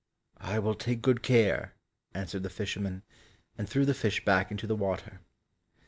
"I will take good care," answered the fisherman, and threw the fish back into the water.